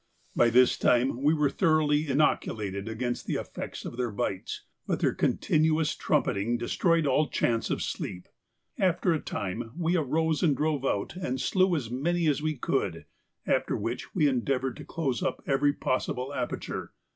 By this time we were thoroughly inoculated against the effects of their bites, but their continuous trumpeting destroyed all chance of sleep; after a time we arose and drove out and slew as many as we could, after which we endeavoured to close up every possible aperture.